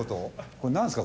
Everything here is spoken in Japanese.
これなんすか？